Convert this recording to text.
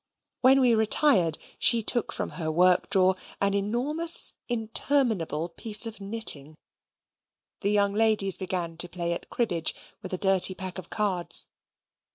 When we retired, she took from her work drawer an enormous interminable piece of knitting; the young ladies began to play at cribbage with a dirty pack of cards.